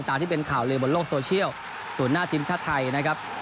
ที่เป็นข่าวลือบนโลกโซเชียลศูนย์หน้าทีมชาติไทยนะครับ